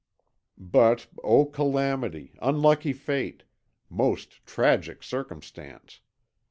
But, O calamity, unlucky fate, most tragic circumstance!